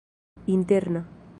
interna